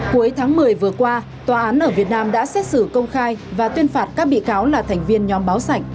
cuối tháng một mươi vừa qua tòa án ở việt nam đã xét xử công khai và tuyên phạt các bị cáo là thành viên nhóm báo sạch